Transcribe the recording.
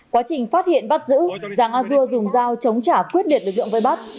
quá trình phát hiện bắt giữ giàng a dua dùng dao chống trả quyết liệt lực lượng vây bắt